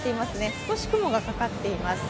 少し雲がかかっています。